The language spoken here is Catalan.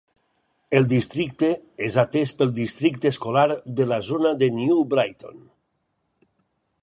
El districte és atès pel districte escolar de la zona de New Brighton.